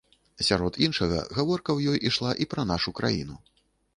Сярод іншага, гаворка у ёй ішла і пра нашу краіну.